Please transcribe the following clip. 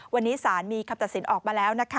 วันนี้ศาลมีคำตัดสินออกมาแล้ว